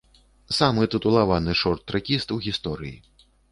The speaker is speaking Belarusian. Самы тытулаваны шорт-трэкіст у гісторыі.